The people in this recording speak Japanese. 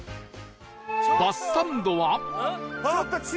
バスサンドは